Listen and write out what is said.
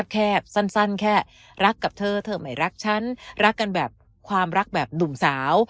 แค่สั้นแค่รักกับเธอเธอไม่รักฉันรักกันแบบความรักแบบหนุ่มสาว